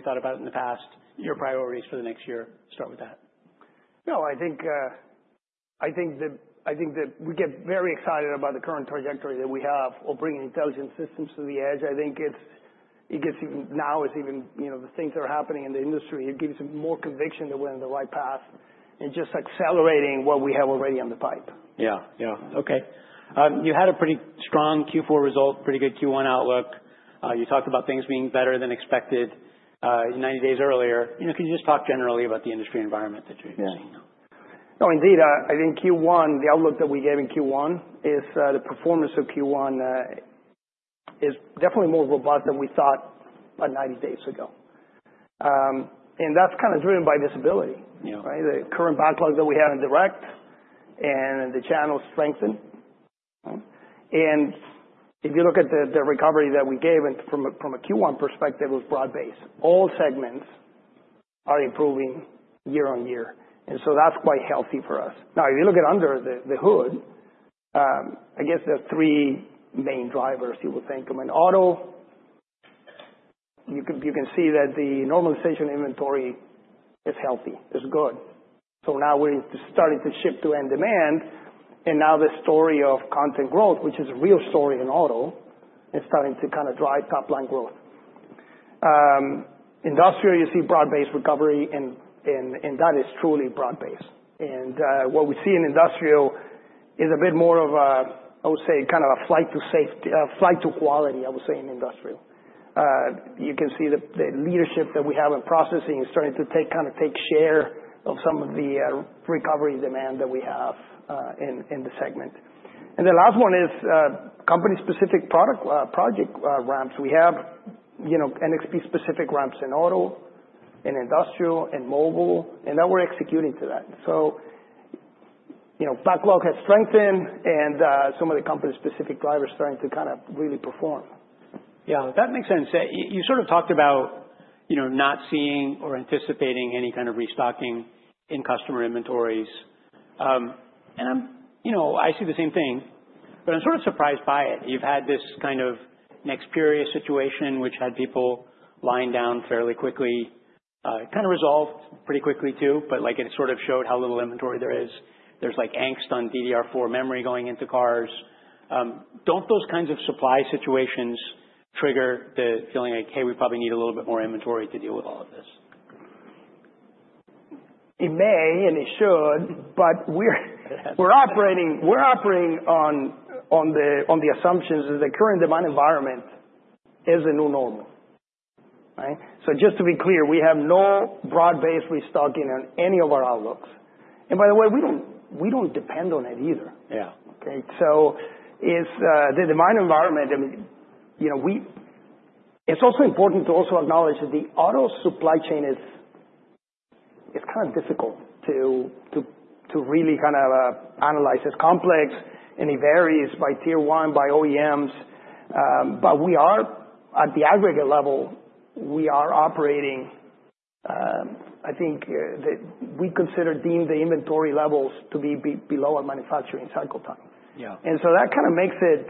The way you thought about it in the past, your priorities for the next year. Start with that. I think that we get very excited about the current trajectory that we have of bringing intelligent systems to the edge. I think it gets even now, you know, the things that are happening in the industry, it gives more conviction that we're on the right path and just accelerating what we have already on the pipe. Yeah. Okay. You had a pretty strong Q4 result, pretty good Q1 outlook. You talked about things being better than expected, 90 days earlier. You know, can you just talk generally about the industry environment that you're seeing now? Yeah. No, indeed. I think Q1, the outlook that we gave in Q1 is, the performance of Q1, is definitely more robust than we thought, 90 days ago. That's kinda driven by visibility. Yeah. Right? The current backlogs that we had in direct and the channel strengthened. If you look at the recovery that we gave from a Q1 perspective, it was broad-based. All segments are improving year-on-year, that's quite healthy for us. Now, if you look at under the hood, I guess there are three main drivers you would think of. In auto, you can see that the normalization inventory is healthy, is good. Now we're starting to ship to end demand, now the story of content growth, which is a real story in auto, is starting to kinda drive top-line growth. Industrial, you see broad-based recovery and that is truly broad-based. What we see in industrial is a bit more of a, I would say, kind of a flight to quality, I would say, in industrial. You can see the leadership that we have in processing is starting to kinda take share of some of the recovery demand that we have in the segment. The last one is company-specific product, project ramps. We have, you know, NXP-specific ramps in auto, in industrial, in mobile, and now we're executing to that. You know, backlog has strengthened and some of the company-specific drivers starting to kinda really perform. Yeah. That makes sense. You sort of talked about, you know, not seeing or anticipating any kind of restocking in customer inventories. You know, I see the same thing, but I'm sort of surprised by it. You've had this kind of Nexperia situation which had people lying down fairly quickly. It kinda resolved pretty quickly too, like, it sort of showed how little inventory there is. There's, like, angst on DDR4 memory going into cars. Don't those kinds of supply situations trigger the feeling like, "Hey, we probably need a little bit more inventory to deal with all of this? It may and it should, but we're operating on the assumptions that the current demand environment is a new normal, right? Just to be clear, we have no broad-based restocking on any of our outlooks. By the way, we don't depend on it either. Yeah. Okay? If, the demand environment, I mean, you know, It's also important to also acknowledge that the auto supply chain is, it's kind of difficult to really kind of, analyze. It's complex, and it varies by Tier 1, by OEMs. We are, at the aggregate level, we are operating, I think, we consider deem the inventory levels to be below our manufacturing cycle time. Yeah. That kinda makes it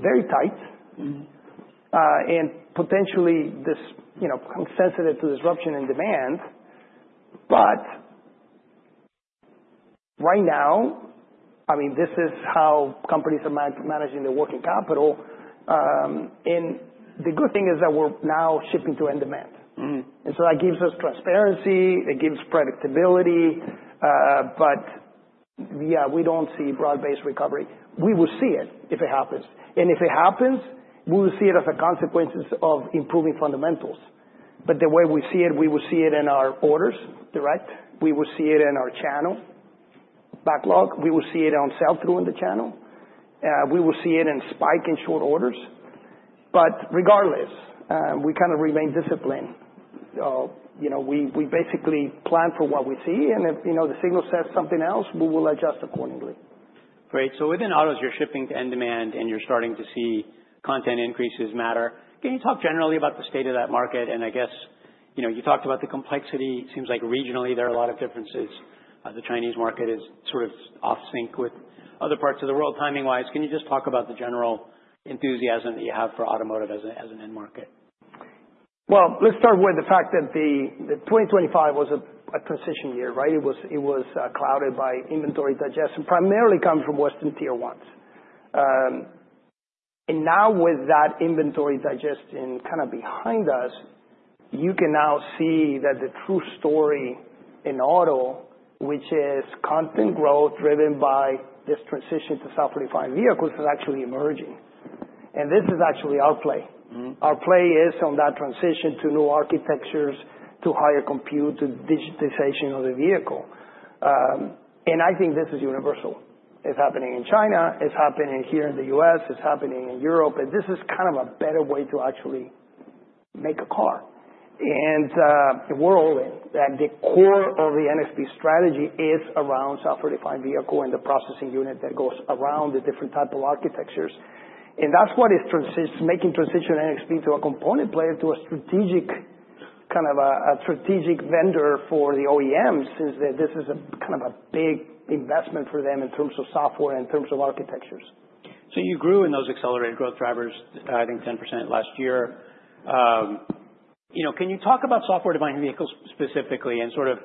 very tight. Potentially this, you know, sensitive to disruption and demand. Right now, I mean, this is how companies are man-managing their working capital. The good thing is that we're now shipping to end demand. That gives us transparency, it gives predictability. Yeah, we don't see broad-based recovery. We will see it if it happens, and if it happens, we will see it as a consequences of improving fundamentals. The way we see it, we will see it in our orders direct. We will see it in our channel backlog. We will see it on sell-through in the channel. We will see it in spike in short orders. Regardless, we kind of remain disciplined. You know, we basically plan for what we see and if, you know, the signal says something else, we will adjust accordingly. Great. Within autos, you're shipping to end demand and you're starting to see content increases matter. Can you talk generally about the state of that market? I guess, you know, you talked about the complexity. It seems like regionally there are a lot of differences. The Chinese market is sort of off sync with other parts of the world timing-wise. Can you just talk about the general enthusiasm that you have for automotive as a, as an end market? Well, let's start with the fact that the 2025 was a transition year, right? It was clouded by inventory digestion, primarily coming from Western Tier 1s. Now with that inventory digestion kinda behind us, you can now see that the true story in auto, which is content growth driven by this transition to software-defined vehicles, is actually emerging. This is actually our play. Our play is on that transition to new architectures, to higher compute, to digitization of the vehicle. I think this is universal. It's happening in China, it's happening here in the US, it's happening in Europe, and this is kind of a better way to actually make a car. We're all in. The core of the NXP strategy is around software-defined vehicle and the processing unit that goes around the different type of architectures. That's what is making transition NXP to a component player, to a strategic, kind of a strategic vendor for the OEMs, is that this is a, kind of a big investment for them in terms of software and in terms of architectures. You grew in those accelerated growth drivers, I think 10% last year. You know, can you talk about software-defined vehicles specifically and sort of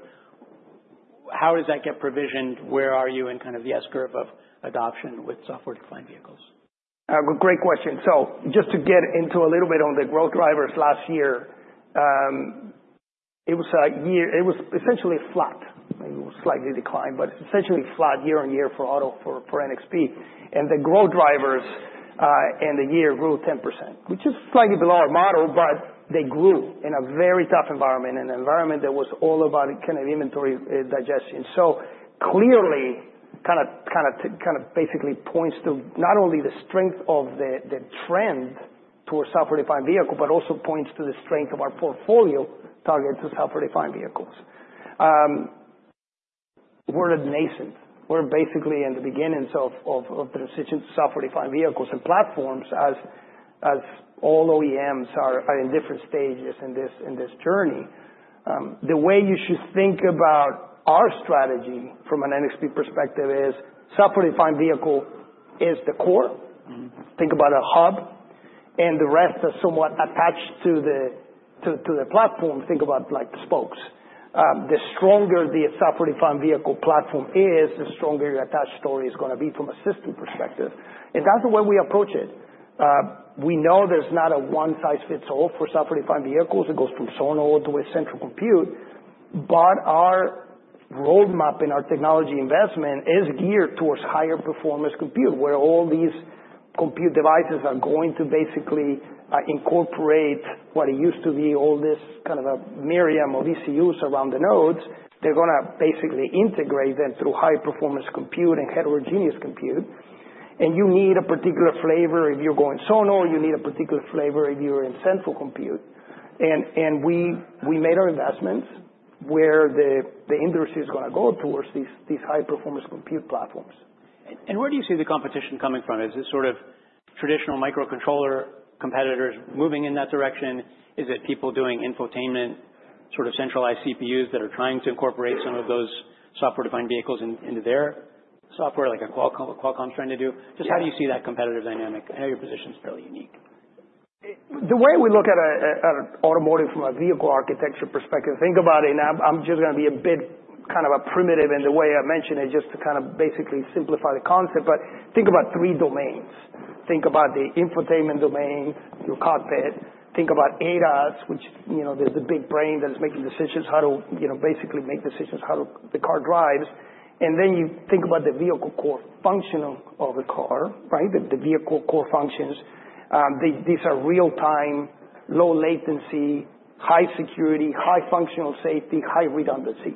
how does that get provisioned? Where are you in kind of the S-curve of adoption with software-defined vehicles? Great question. Just to get into a little bit on the growth drivers last year, it was essentially flat. Maybe it was slightly declined, but essentially flat year-on-year for auto, for NXP. The growth drivers in the year grew 10%, which is slightly below our model, but they grew in a very tough environment, in an environment that was all about kind of inventory digestion. Clearly kind of basically points to not only the strength of the trend towards software-defined vehicle, but also points to the strength of our portfolio targeted to software-defined vehicles. We're at nascent. We're basically in the beginnings of the transition to software-defined vehicles and platforms as all OEMs are in different stages in this journey. The way you should think about our strategy from an NXP perspective is software-defined vehicle is the core. Think about a hub, and the rest are somewhat attached to the platform. Think about like spokes. The stronger the software-defined vehicle platform is, the stronger your attached story is gonna be from a system perspective. That's the way we approach it. We know there's not a one-size-fits-all for software-defined vehicles. It goes from Zonal to a central compute. Our roadmap and our technology investment is geared towards higher performance compute, where all these compute devices are going to basically incorporate what used to be all this kind of a myriad of ECUs around the nodes. They're gonna basically integrate them through high performance compute and heterogeneous compute. You need a particular flavor if you're going Zonal, you need a particular flavor if you're in central compute. We made our investments where the industry is gonna go towards these high performance compute platforms. Where do you see the competition coming from? Is it sort of traditional microcontroller competitors moving in that direction? Is it people doing infotainment, sort of centralized CPUs that are trying to incorporate some of those software-defined vehicles in, into their software, like a Qualcomm's trying to do? Yeah. Just how do you see that competitive dynamic? I know your position's fairly unique. The way we look at automotive from a vehicle architecture perspective, think about it, and I'm just gonna be a bit kind of primitive in the way I mention it, just to kind of basically simplify the concept, but think about three domains. Think about the infotainment domain, your cockpit. Think about ADAS, which, you know, there's a big brain that is making decisions how to, you know, basically make decisions how to the car drives. Then you think about the vehicle core function of the car, right? The vehicle core functions. These are real-time, low latency, high security, high functional safety, high redundancy.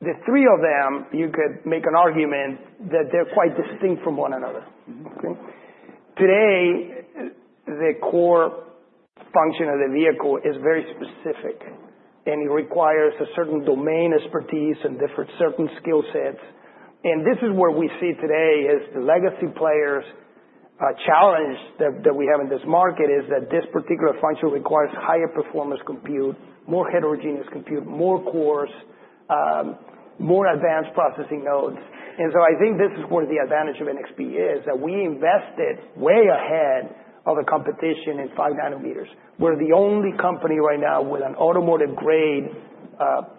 The three of them, you could make an argument that they're quite distinct from one another. Today, the core function of the vehicle is very specific, and it requires a certain domain expertise and different certain skill sets. This is where we see today is the legacy players' challenge that we have in this market is that this particular function requires higher performance compute, more heterogeneous compute, more cores, more advanced processing nodes. I think this is where the advantage of NXP is, that we invested way ahead of the competition in 5 nm. We're the only company right now with an automotive-grade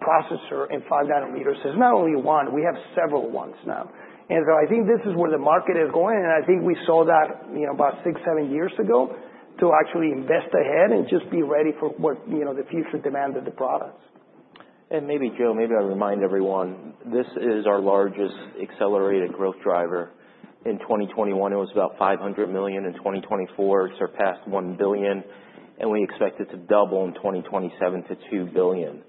processor in 5 nm. It's not only one, we have several ones now. I think this is where the market is going, and I think we saw that, you know, about six, seven years ago to actually invest ahead and just be ready for what, you know, the future demand of the products. Maybe, Joe, maybe I'll remind everyone, this is our largest accelerated growth driver. In 2021, it was about $500 million. In 2024, it surpassed $1 billion, and we expect it to double in 2027 to $2 billion.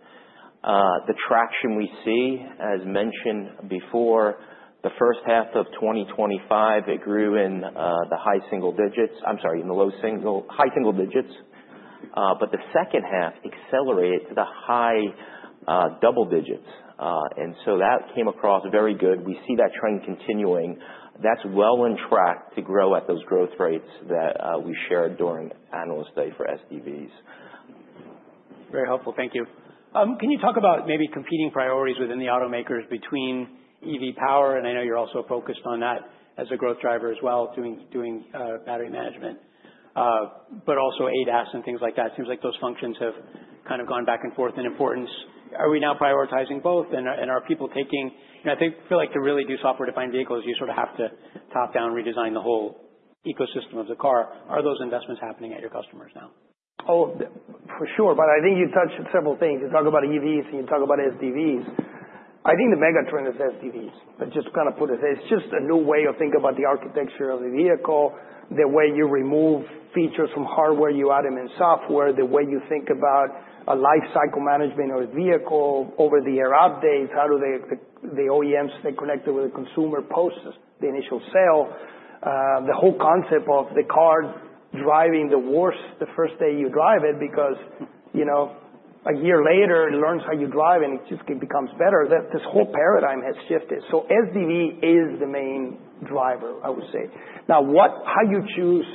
The traction we see, as mentioned before, the first half of 2025, it grew in the high single digits. I'm sorry, in the high single digits. The second half accelerated to the high double digits. That came across very good. We see that trend continuing. That's well in track to grow at those growth rates that we shared during Analyst Day for SDVs. Very helpful, thank you. Can you talk about maybe competing priorities within the automakers between EV power, and I know you're also focused on that as a growth driver as well, doing battery management, but also ADAS and things like that? It seems like those functions have kind of gone back and forth in importance. Are we now prioritizing both and are people taking... You know, I think feel like to really do software-defined vehicles, you sort of have to top-down redesign the whole ecosystem of the car. Are those investments happening at your customers now? Oh, for sure. I think you touched several things. You talk about EVs and you talk about SDVs. I think the mega trend is SDVs. Just to kind of put it's just a new way of thinking about the architecture of the vehicle, the way you remove features from hardware, you add them in software, the way you think about a lifecycle management of a vehicle over-the-air updates. How do the OEMs stay connected with the consumer post the initial sale? The whole concept of the car driving the worst the first day you drive it, because, you know, a year later it learns how you drive and it just becomes better. That this whole paradigm has shifted. SDV is the main driver, I would say. Now what, how you choose.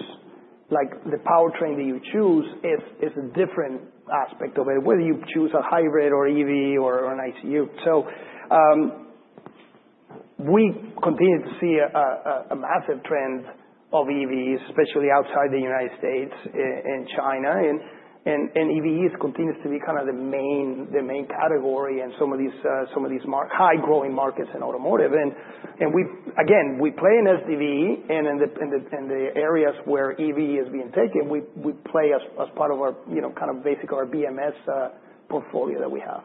Like the powertrain that you choose is a different aspect of it, whether you choose a hybrid or EV or an ICE. We continue to see a massive trend of EVs, especially outside the United States in China and EVs continues to be kind of the main category in some of these high growing markets in automotive. We've again, we play in SDV and in the areas where EV is being taken, we play as part of our, you know, kind of basically our BMS portfolio that we have.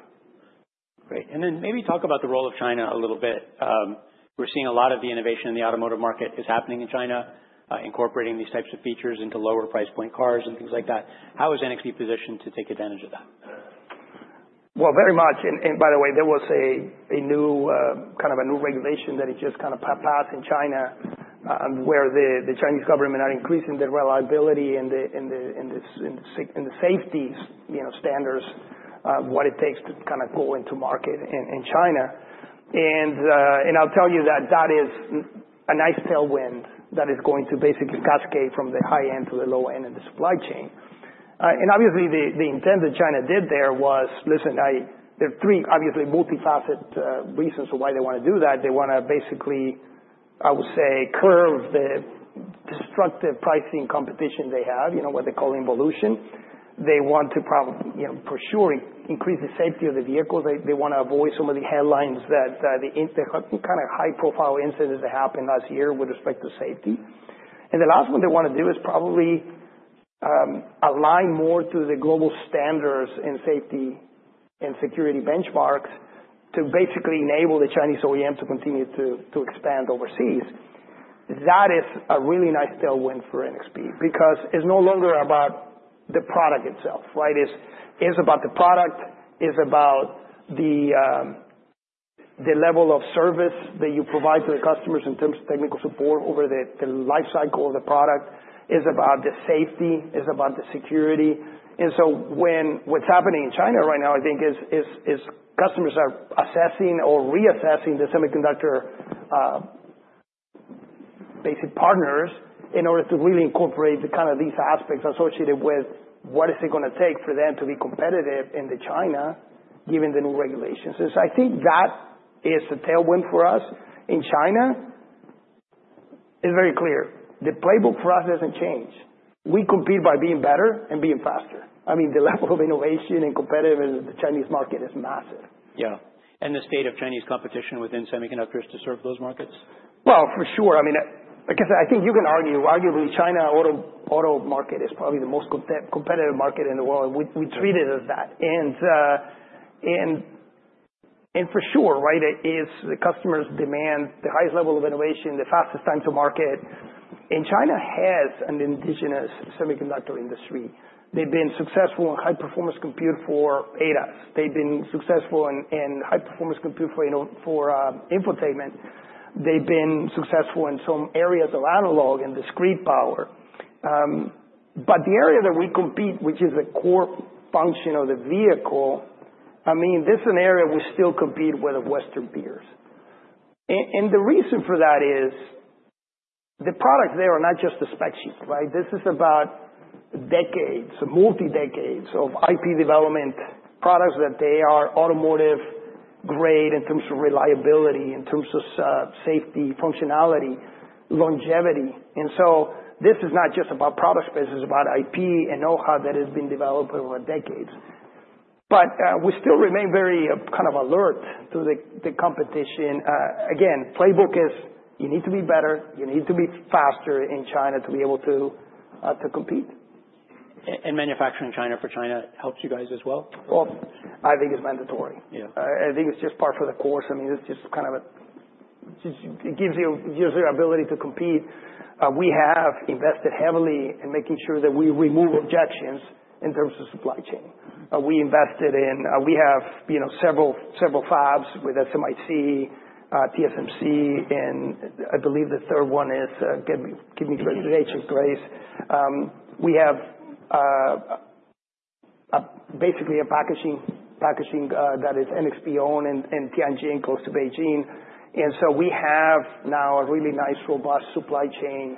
Great. Then maybe talk about the role of China a little bit. We're seeing a lot of the innovation in the automotive market is happening in China, incorporating these types of features into lower price point cars and things like that. How is NXP positioned to take advantage of that? Well, very much. By the way, there was a new, kind of a new regulation that it just kind of passed in China, where the Chinese government are increasing the reliability and the safeties, you know, standards, what it takes to kind of go into market in China. I'll tell you that that is a nice tailwind that is going to basically cascade from the high end to the low end of the supply chain. obviously the intent that China did there was, listen. There are three obviously multifaceted reasons for why they wanna do that. They wanna basically, I would say, curve the destructive pricing competition they have, you know, what they call involution. They want to you know, for sure increase the safety of the vehicles. They wanna avoid some of the headlines that kind of high profile incidents that happened last year with respect to safety. The last one they wanna do is probably align more to the global standards in safety and security benchmarks to basically enable the Chinese OEM to continue to expand overseas. That is a really nice tailwind for NXP, because it's no longer about the product itself, right? It's about the product, it's about the level of service that you provide to the customers in terms of technical support over the life cycle of the product. It's about the safety. It's about the security. When what's happening in China right now, I think is customers are assessing or reassessing the semiconductor basic partners in order to really incorporate the kind of these aspects associated with what is it gonna take for them to be competitive into China given the new regulations. I think that is a tailwind for us in China. It's very clear. The playbook for us doesn't change. We compete by being better and being faster. I mean, the level of innovation and competitive in the Chinese market is massive. Yeah. The state of Chinese competition within semiconductors to serve those markets? Well, for sure. I mean, like I said, I think you can arguably China auto market is probably the most competitive market in the world. We treat it as that. For sure, right, it is the customers demand the highest level of innovation, the fastest time to market. China has an indigenous semiconductor industry. They've been successful in high performance compute for ADAS. They've been successful in high performance compute for infotainment. They've been successful in some areas of analog and discrete power. The area that we compete, which is the core function of the vehicle, I mean, this is an area we still compete with the Western peers. The reason for that is the products there are not just the spec sheet, right? This is about decades, multi decades of IP development products, that they are automotive grade in terms of reliability, in terms of safety, functionality, longevity. This is not just about product space, this is about IP and know-how that has been developed over decades. We still remain very kind of alert to the competition. Again, playbook is you need to be better, you need to be faster in China to be able to compete. Manufacturing China for China helps you guys as well? Well, I think it's mandatory. Yeah. I think it's just par for the course. I mean, it's just kind of it gives you ability to compete. We have invested heavily in making sure that we remove objections in terms of supply chain. We invested in, we have, you know, several fabs with SMIC, TSMC, and I believe the third one is, give me a second. Grace, we have, basically a packaging, that is NXP owned in Tianjin, close to Beijing. We have now a really nice, robust supply chain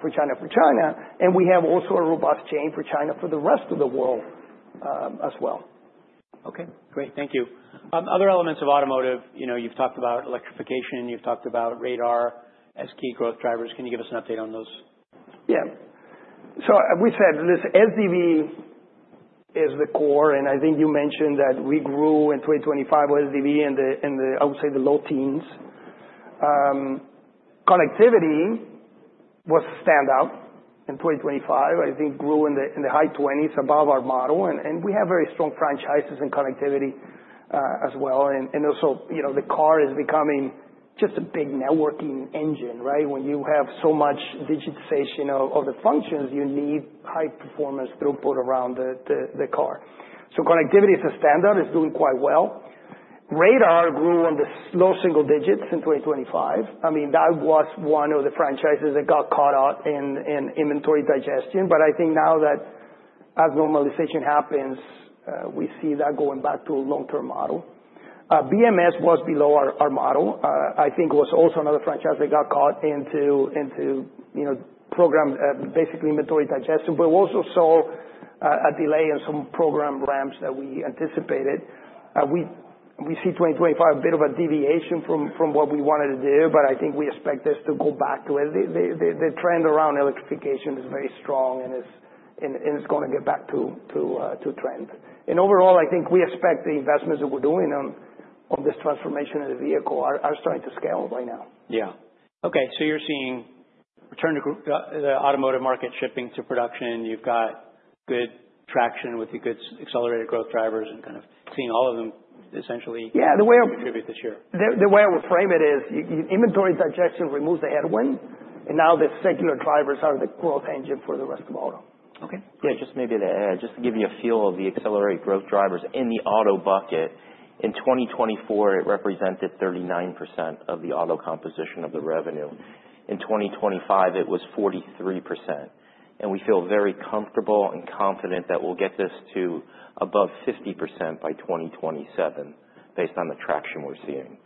for China. We have also a robust chain for China for the rest of the world as well. Okay, great. Thank you. Other elements of automotive, you know, you've talked about electrification, you've talked about radar as key growth drivers. Can you give us an update on those? Yeah. We said this SDV is the core, I think you mentioned that we grew in 2025 with SDV in the, I would say, the low teens. Connectivity was standout in 2025. I think grew in the high 20s above our model. We have very strong franchises in connectivity as well. Also, you know, the car is becoming just a big networking engine, right? When you have so much digitization of the functions, you need high performance throughput around the car. Connectivity is a standout. It's doing quite well. Radar grew in the low single digits in 2025. I mean, that was one of the franchises that got caught out in inventory digestion. I think as normalization happens, we see that going back to a long-term model. BMS was below our model. I think it was also another franchise that got caught into, you know, program, basically inventory digestion. We also saw a delay in some program ramps that we anticipated. We see 2025 a bit of a deviation from what we wanted to do, but I think we expect this to go back to where the trend around electrification is very strong and it's gonna get back to trend. Overall, I think we expect the investments that we're doing on this transformation of the vehicle are starting to scale right now. Yeah. Okay, you're seeing return to the automotive market shipping to production. You've got good traction with the goods accelerated growth drivers and kind of seeing all of them essentially. Yeah, the way. contribute this year. The way I would frame it is inventory digestion removes the headwind, and now the secular drivers are the growth engine for the rest of auto. Okay. Yeah, just maybe to add, just to give you a feel of the accelerated growth drivers in the Auto bucket. In 2024, it represented 39% of the Auto composition of the revenue. In 2025, it was 43%. We feel very comfortable and confident that we'll get this to above 50% by 2027 based on the traction we're seeing.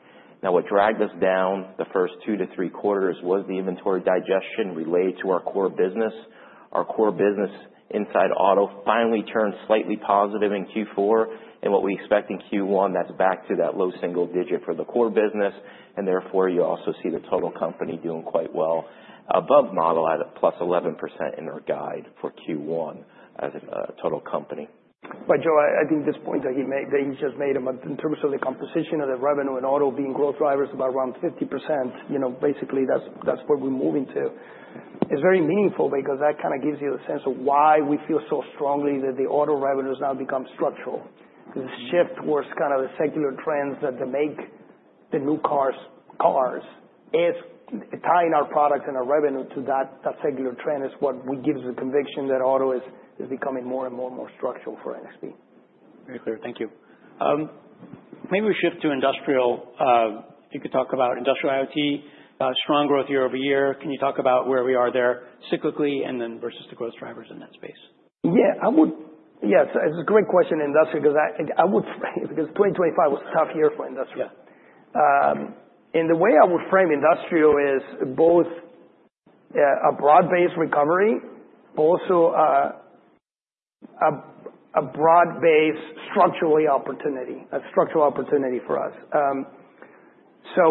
Now, what dragged us down the first two to three quarters was the inventory digestion related to our core business. Our core business inside Auto finally turned slightly positive in Q4. What we expect in Q1, that's back to that low single digit for the core business. Therefore, you also see the total company doing quite well above model at a +11% in our guide for Q1 as a total company. Joe, I think this point that he just made, in terms of the composition of the revenue in auto being growth drivers by around 50%, you know, basically, that's where we're moving to. It's very meaningful because that kinda gives you a sense of why we feel so strongly that the auto revenue has now become structural. The shift towards kind of the secular trends that make the new cars is tying our product and our revenue to that secular trend is what we gives the conviction that auto is becoming more and more structural for NXP. Very clear. Thank you. Maybe we shift to industrial. If you could talk about industrial IoT, strong growth year-over-year. Can you talk about where we are there cyclically and then versus the growth drivers in that space? Yes, it's a great question, industrial, 'cause I would say because 2025 was a tough year for industrial. The way I would frame industrial is both a broad-based recovery, also a broad-based structurally opportunity, a structural opportunity for us.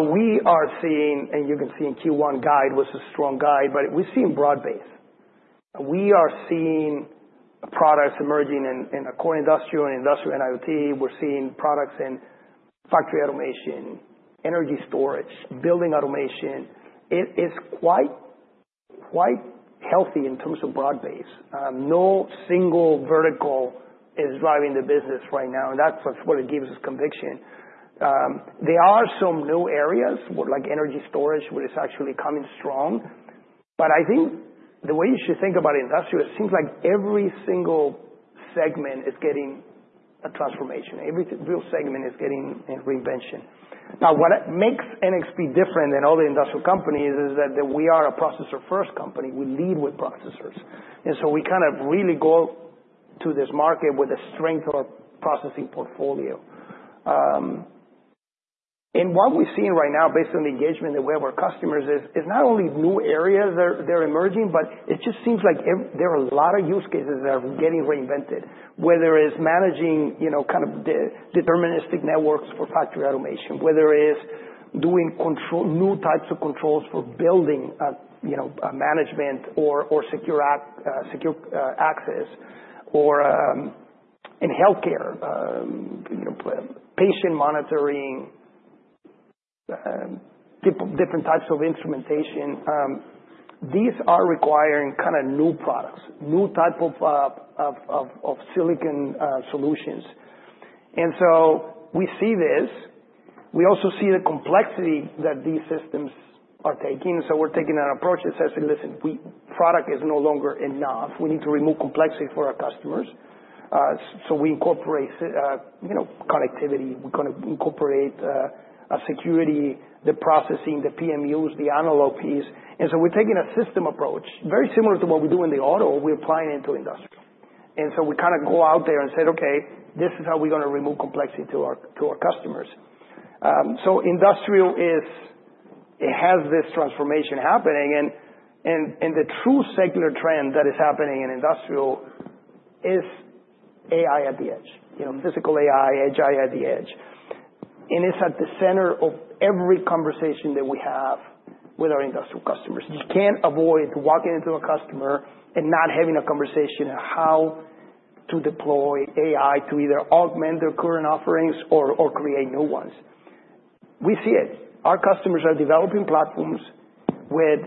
We are seeing, and you can see in Q1 guide was a strong guide, but we're seeing broad-based. We are seeing products emerging in a core industrial and industrial IoT. We're seeing products in factory automation, energy storage, building automation. It is quite healthy in terms of broad-based. No single vertical is driving the business right now, and that's what gives us conviction. There are some new areas, with like energy storage, which is actually coming strong. I think the way you should think about industrial, it seems like every single segment is getting a transformation. Every real segment is getting reinvention. What makes NXP different than all the industrial companies is that we are a processor-first company. We lead with processors. So we kind of really go to this market with a strength of processing portfolio. What we're seeing right now, based on the engagement that we have with our customers is not only new areas they're emerging, but it just seems like there are a lot of use cases that are getting reinvented. Whether it's managing, you know, kind of deterministic networks for factory automation, whether it's doing control, new types of controls for building, you know, management or secure access or in healthcare, you know, patient monitoring, different types of instrumentation. These are requiring kind of new products, new type of silicon solutions. We see this. We also see the complexity that these systems are taking. We're taking an approach that says, "Listen, product is no longer enough. We need to remove complexity for our customers." We incorporate, you know, connectivity. We kind of incorporate security, the processing, the PMUs, the analog piece. We're taking a system approach, very similar to what we do in the auto, we're applying into industrial. We kinda go out there and said, "Okay, this is how we're gonna remove complexity to our customers." Industrial is. It has this transformation happening and the true secular trend that is happening in industrial is AI at the edge, you know, physical AI, edge AI at the edge. It's at the center of every conversation that we have with our industrial customers. You can't avoid walking into a customer and not having a conversation on how to deploy AI to either augment their current offerings or create new ones. We see it. Our customers are developing platforms with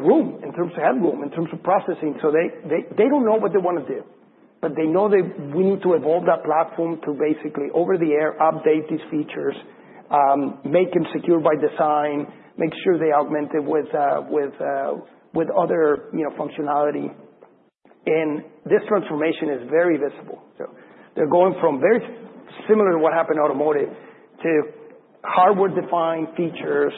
room in terms of headroom, in terms of processing. They don't know what they wanna do, but they know that we need to evolve that platform to basically over-the-air update these features, make them secure by design, make sure they augment it with other, you know, functionality. This transformation is very visible. They're going from very similar to what happened in automotive to hardware-defined features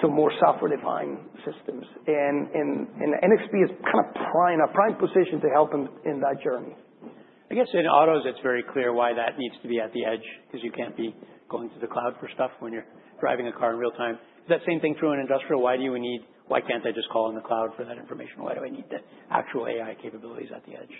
to more software-defined systems. NXP is kind of prime, a prime position to help them in that journey. I guess in autos, it's very clear why that needs to be at the edge because you can't be going to the cloud for stuff when you're driving a car in real time. Is that same thing true in industrial? Why can't I just call in the cloud for that information? Why do I need the actual AI capabilities at the edge?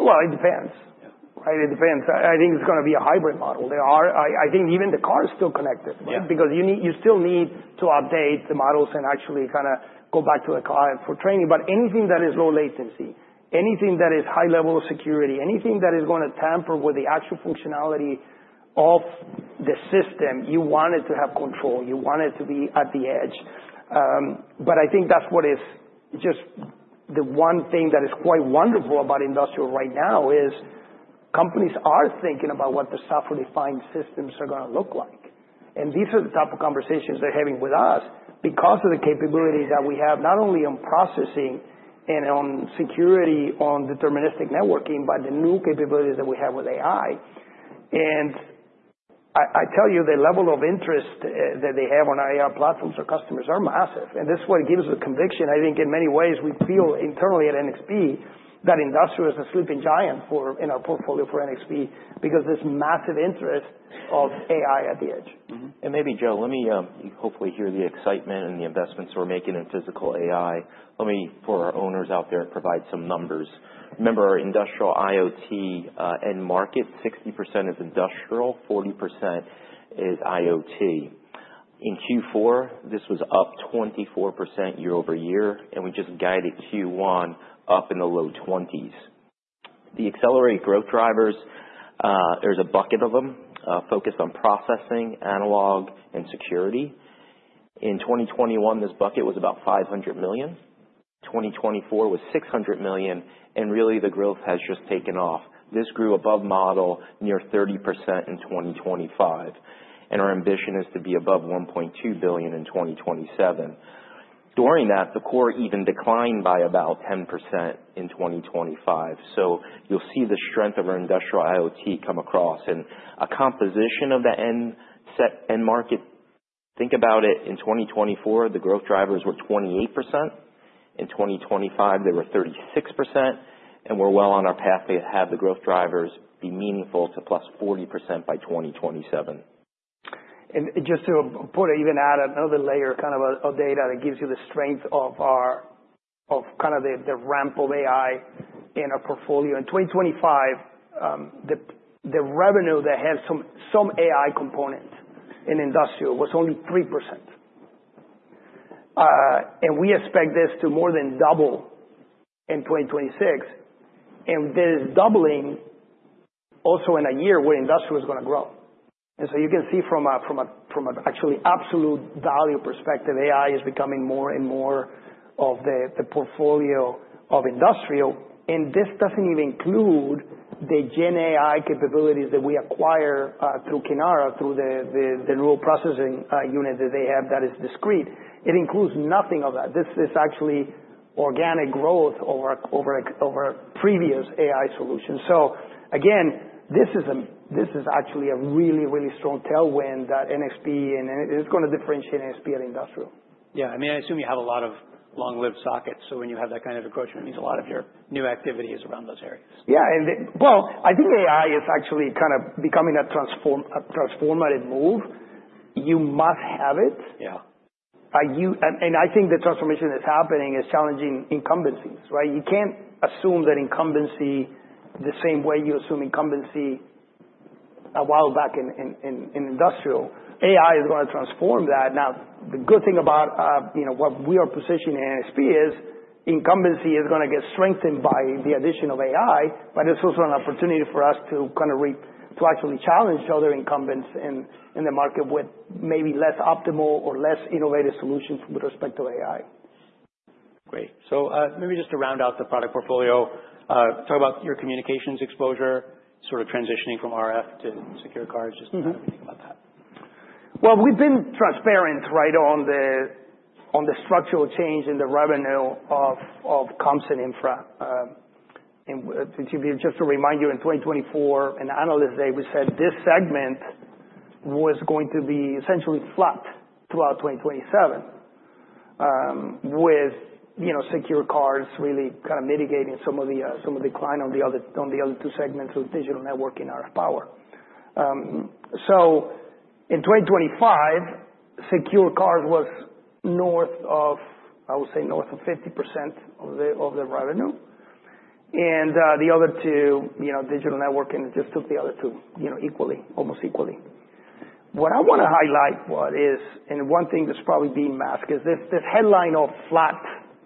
Well, it depends. Yeah. It depends. I think it's gonna be a hybrid model. I think even the car is still connected, right? Yeah. You still need to update the models and actually kind of go back to a car for training. Anything that is low latency, anything that is high level of security, anything that is gonna tamper with the actual functionality of the system, you want it to have control. You want it to be at the edge. I think that's what is just the one thing that is quite wonderful about industrial right now is companies are thinking about what the software-defined systems are gonna look like. These are the type of conversations they're having with us because of the capabilities that we have, not only on processing and on security, on deterministic networking, but the new capabilities that we have with AI. I tell you, the level of interest that they have on AI platforms or customers are massive, and this is what gives the conviction. I think in many ways we feel internally at NXP that industrial is a sleeping giant in our portfolio for NXP because there's massive interest of AI at the edge. Mm-hmm. Maybe, Joe, let me hopefully hear the excitement and the investments we're making in physical AI. Let me, for our owners out there, provide some numbers. Remember our industrial IoT end market, 60% is industrial, 40% is IoT. In Q4, this was up 24% year-over-year, and we just guided Q1 up in the low 20s. The accelerated growth drivers, there's a bucket of them focused on processing, analog, and security. In 2021, this bucket was about $500 million. 2024 was $600 million, and really the growth has just taken off. This grew above model near 30% in 2025, and our ambition is to be above $1.2 billion in 2027. During that, the core even declined by about 10% in 2025. You'll see the strength of our industrial IoT come across and a composition of the end market. Think about it, in 2024, the growth drivers were 28%. In 2025, they were 36%, and we're well on our path to have the growth drivers be meaningful to +40% by 2027. Just to put even add another layer kind of a data that gives you the strength of kind of the ramp of AI in our portfolio. In 2025, the revenue that had some AI component in industrial was only 3%. We expect this to more than double in 2026, and there is doubling also in a year where industrial is gonna grow. You can see from a actually absolute value perspective, AI is becoming more and more of the portfolio of industrial. This doesn't even include the generative AI capabilities that we acquire through Kinara, through the Neural Processing unit that they have that is discrete. It includes nothing of that. This is actually organic growth over previous AI solutions. Again, this is actually a really strong tailwind that NXP and it is gonna differentiate NXP and industrial. Yeah. I mean, I assume you have a lot of long-lived sockets, so when you have that kind of approach, it means a lot of your new activity is around those areas. Yeah. Well, I think AI is actually kind of becoming a transformative move. You must have it. Yeah. I think the transformation that's happening is challenging incumbencies, right? You can't assume that incumbency the same way you assume incumbency a while back in industrial. AI is gonna transform that. Now, the good thing about, you know, what we are positioning NXP is incumbency is gonna get strengthened by the addition of AI. It's also an opportunity for us to actually challenge other incumbents in the market with maybe less optimal or less innovative solutions with respect to AI. Great. maybe just to round out the product portfolio, talk about your communications exposure, sort of transitioning from RF to secure cards. Just how do you think about that? Well, we've been transparent, right, on the structural change in the revenue of comps and infra. To give you, just to remind you, in 2024, in analyst day, we said this segment was going to be essentially flat throughout 2027, with, you know, secure cards really kind of mitigating some of the decline on the other two segments with digital networking RF power. In 2025, secure cards was north of 50% of the revenue. The other two, you know, digital networking just took the other two, almost equally. What I wanna highlight what is, one thing that's probably being masked, is this headline of flat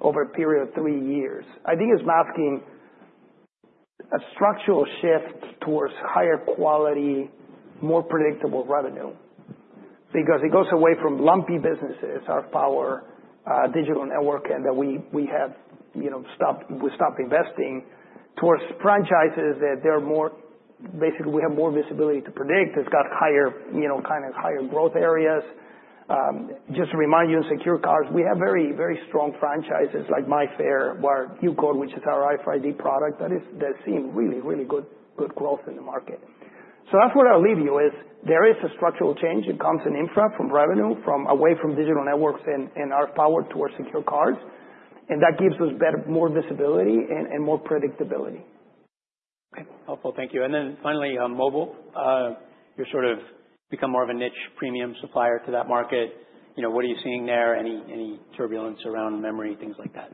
over a period of three years, I think is masking a structural shift towards higher quality, more predictable revenue. Because it goes away from lumpy businesses, RF power, digital network, and that we have, you know, stopped, we stopped investing towards franchises. Basically, we have more visibility to predict. It's got higher, you know, kind of higher growth areas. Just to remind you, in secure cards, we have very, very strong franchises like MIFARE or UCODE, which is our RFID product that's seeing really good growth in the market. That's where I'll leave you, is there is a structural change that comes in infra from revenue from away from digital networks and our power towards secure cards, and that gives us more visibility and more predictability. Okay. Helpful. Thank you. Then finally, mobile. You're sort of become more of a niche premium supplier to that market. You know, what are you seeing there? Any, any turbulence around memory, things like that?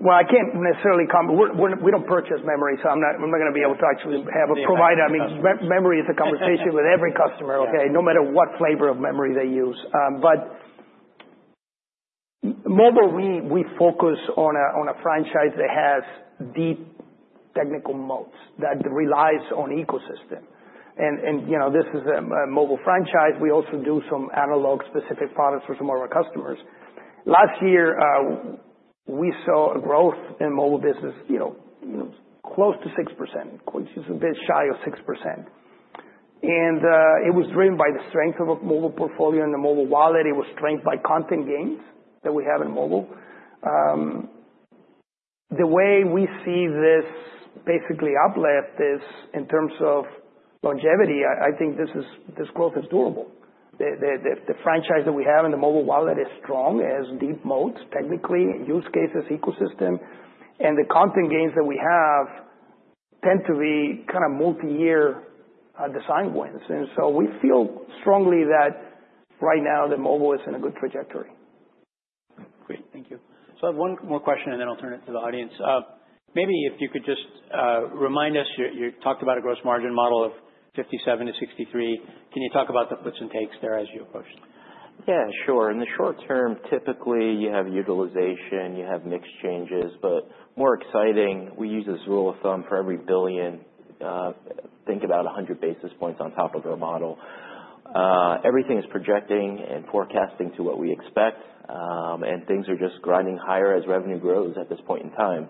Well, I can't necessarily comment. We don't purchase memory, so I'm not, I'm not gonna be able to actually have a provider. I mean, memory is a conversation with every customer, okay, no matter what flavor of memory they use. Mobile, we focus on a, on a franchise that has deep technical moats that relies on ecosystem. You know, this is a mobile franchise. We also do some analog-specific products for some of our customers. Last year, we saw a growth in mobile business, you know, close to 6%, which is a bit shy of 6%. It was driven by the strength of a mobile portfolio in the mobile wallet. It was strengthened by content gains that we have in mobile. The way we see this basically uplift is in terms of longevity. I think this growth is durable. The franchise that we have in the mobile wallet is strong, it has deep moats, technically, use cases, ecosystem, and the content gains that we have tend to be kind of multi-year design wins. We feel strongly that right now the mobile is in a good trajectory. Great. Thank you. I have one more question, and then I'll turn it to the audience. Maybe if you could just remind us, you talked about a gross margin model of 57% to 63%. Can you talk about the puts and takes there as you approach? Sure. In the short term, typically you have utilization, you have mix changes. More exciting, we use this rule of thumb for every $1 billion, think about 100 basis points on top of their model. Everything is projecting and forecasting to what we expect, and things are just grinding higher as revenue grows at this point in time.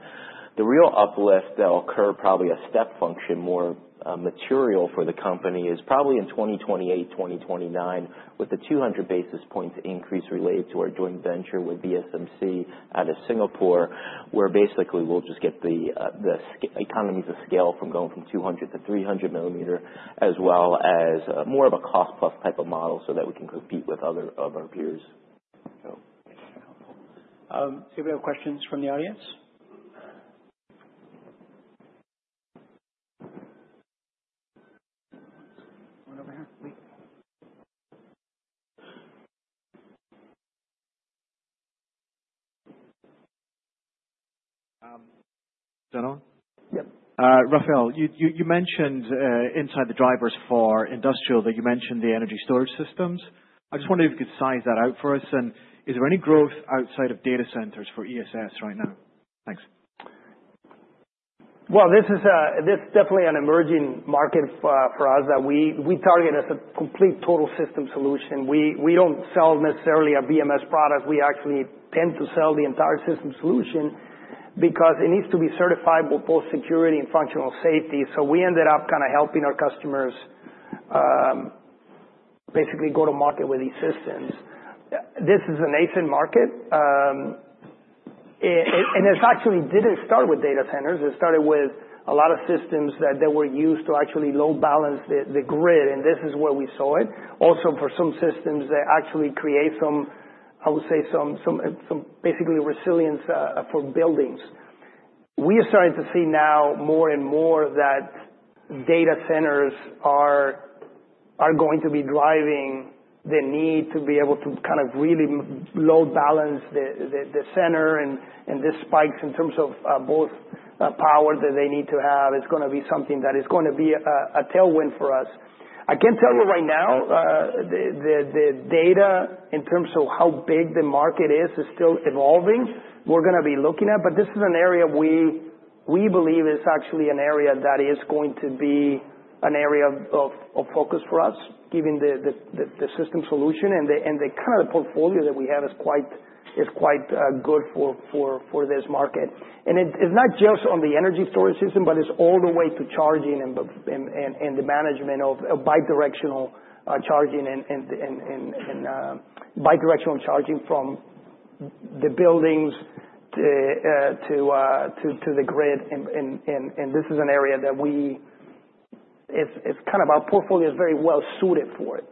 The real uplift that'll occur, probably a step function, more material for the company is probably in 2028, 2029 with the 200 basis points increase related to our joint venture with VSMC out of Singapore, where basically we'll just get the economies of scale from going from 200mm to 300mm, as well as more of a cost-plus type of model so that we can compete with other peers. Do we have questions from the audience? One over here, please. Is that on? Yeah. Rafael, you mentioned inside the drivers for industrial that you mentioned the energy storage systems. I just wondered if you could size that out for us. Is there any growth outside of data centers for ESS right now? Thanks. Well, this is definitely an emerging market for us that we target as a complete total system solution. We don't sell necessarily a BMS product. We actually tend to sell the entire system solution because it needs to be certified with both security and functional safety. We ended up kinda helping our customers, basically go to market with these systems. This is a nascent market. It actually didn't start with data centers. It started with a lot of systems that were used to actually load balance the grid, and this is where we saw it. For some systems, they actually create some, I would say some basically resilience for buildings. We are starting to see now more and more that data centers are going to be driving the need to be able to kind of really load balance the center and the spikes in terms of both power that they need to have. It's gonna be something that is gonna be a tailwind for us. I can't tell you right now, the data in terms of how big the market is still evolving. We're gonna be looking at. This is an area we believe is actually an area that is going to be an area of focus for us, given the system solution and the kind of portfolio that we have is quite good for this market. It's not just on the energy storage system, but it's all the way to charging and the management of a bi-directional charging and bi-directional charging from the buildings to the grid. This is an area. It's kind of our portfolio is very well suited for it.